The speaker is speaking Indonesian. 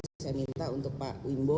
saya minta untuk pak wimbo